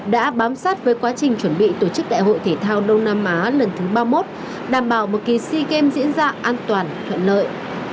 đảm bảo một kỳ si game diễn ra an toàn thuận lợi